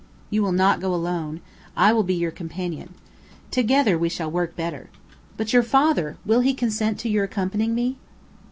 "You will not go alone; I will be your companion. Together we shall work better. But your father will he consent to your accompanying me?"